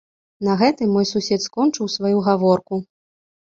На гэтым мой сусед скончыў сваю гаворку.